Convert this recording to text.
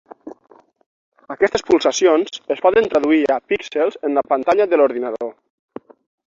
Aquestes pulsacions es poden traduir a "píxels" en la pantalla de l'ordinador.